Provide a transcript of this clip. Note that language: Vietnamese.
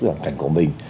với hoàn cảnh của mình